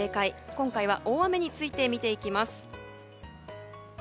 今回は大雨について見ていきます。